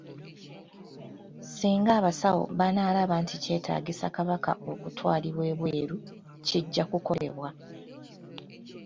Singa abasawo banaalaba nti kyetaagisa Kabaka okutwalibwa ebweru, kijja kukolebwa